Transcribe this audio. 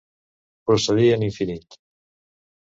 Procedir en infinit.